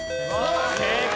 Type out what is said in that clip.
正解。